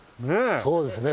そうですよね。